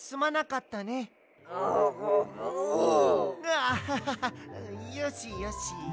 アハハハよしよし。